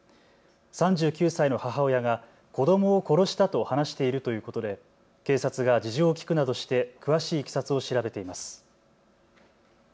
３９歳の母親が子どもを殺したと話しているということで警察が事情を聞くなどして詳しいいきさつを調べています。